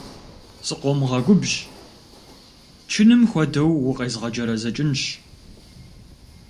Скъомгъэгубжь, чыным хуэдэу укъезгъэджэрэзэкӏынщ!